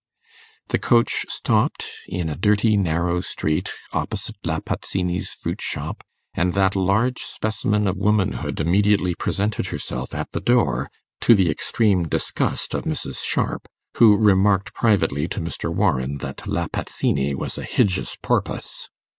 The coach stopped in a dirty narrow street opposite La Pazzini's fruit shop, and that large specimen of womanhood immediately presented herself at the door, to the extreme disgust of Mrs. Sharp, who remarked privately to Mr. Warren that La Pazzini was a 'hijeous porpis'.